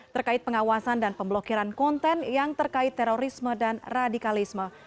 terkait pengawasan dan pemblokiran konten yang terkait terorisme dan radikalisme